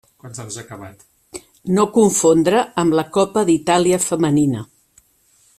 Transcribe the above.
No confondre amb la Copa d'Itàlia Femenina.